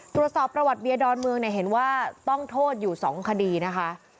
ตรวจสอบประวัติเบียร์ดอนเมืองเนี่ยเห็นว่าต้องโทษอยู่๒คดีนะคะ